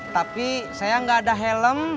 tapi saya nggak ada helm